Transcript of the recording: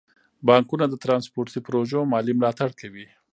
بانکونه د ترانسپورتي پروژو مالي ملاتړ کوي.